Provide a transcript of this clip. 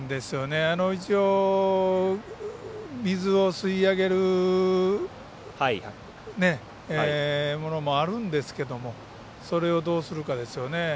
一応水を吸い上げるものもあるんですけれどもそれをどうするかですよね。